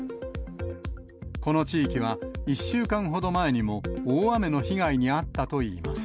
この地域は、１週間ほど前にも大雨の被害に遭ったといいます。